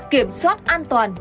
kiểm soát an toàn